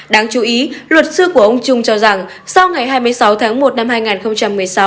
đáng chú ý luật sư của ông trung cho rằng sau ngày hai mươi sáu tháng một năm hai nghìn một mươi sáu